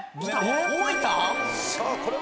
さあこれは？